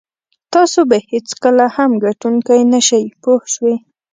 تاسو به هېڅکله هم ګټونکی نه شئ پوه شوې!.